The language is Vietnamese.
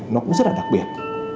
nó cũng rất là đặc biệt